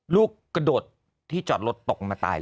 ลูกกระโดดที่จอดรถตกลงมาตาย